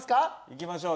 いきましょう。